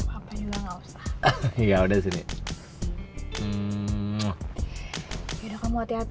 apa apa juga nggak usah